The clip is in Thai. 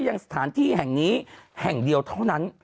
ยังสถานที่แห่งนี้แห่งเดียวเท่านั้น